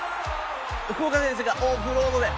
福岡選手がオフロードで。